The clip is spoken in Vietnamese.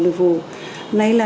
thứ hai là